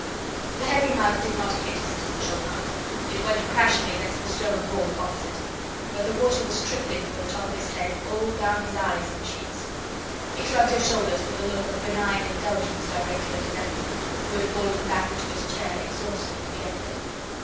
The heavy mug did not hit citizen Chauvelin; it went crashing against the stone wall opposite. But the water was trickling from the top of his head all down his eyes and cheeks. He shrugged his shoulders with a look of benign indulgence directed at his enemy, who had fallen back into his chair exhausted with the effort.